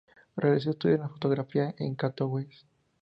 Realizó estudios de fotografía en Katowice.